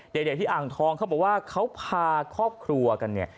เด็กที่อ่างทองเขาบอกว่าเขาพาครอบครัวกันเนี่ย